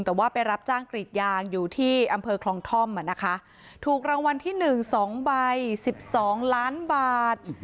แต่ว่าไปรับจ้างกรีดยางอยู่ที่อำเภอคลองท่อมถูกรางวัลที่๑๒ใบ๑๒ล้านบาท